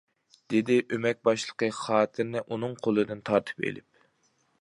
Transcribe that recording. -دېدى ئۆمەك باشلىقى خاتىرىنى ئۇنىڭ قولىدىن تارتىپ ئېلىپ.